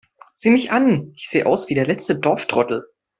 Sieh mich an, ich sehe aus wie der letzte Dorftrottel!